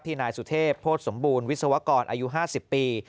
นายสุเทพโภษสมบูรณ์วิศวกรอายุ๕๐ปี